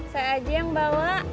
saya aja yang bawa